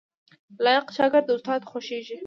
لايق شاګرد د استاد خوښیږي